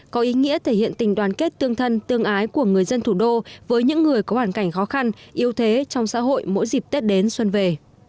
có ý nghĩa thể hiện tình đoàn kết tương thân tương ái của người dân thủ đô với những người có hoàn cảnh khó khăn yếu thế trong xã hội mỗi dịp tết đến xuân về